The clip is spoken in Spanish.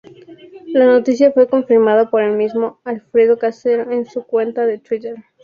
La noticia fue confirmada por el mismo Alfredo Casero en su cuenta de Twitter.